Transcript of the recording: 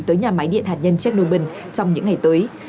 tới nhà máy điện hạt nhân chernobyn trong những ngày tới